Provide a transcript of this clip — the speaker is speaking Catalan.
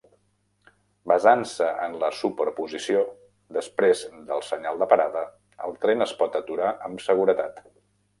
Basant-se en la superposició després del senyal de parada, el tren es pot aturar amb seguretat.